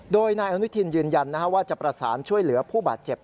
โดยนายอนุทินยืนยันว่าจะประสานช่วยเหลือผู้บาดเจ็บ